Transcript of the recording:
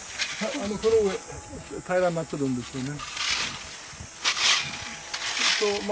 この上平らになってるんですよね。